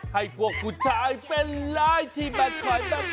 ให้กว่าผู้ชายเป็นร้ายที่แบบไข่ตะแครับ